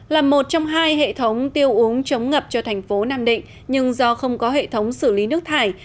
là một trong hai hệ thống tiêu uống chống ngập cho thành phố nam định nhưng do không có hệ thống xử lý nước thải